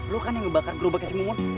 lo kan yang ngebakar gerobaknya si mumun